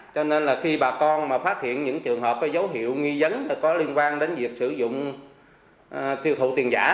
cho nên là khi bà con mà phát hiện những trường hợp có dấu hiệu nghi dấn có liên quan đến việc sử dụng tiêu thụ tiền giả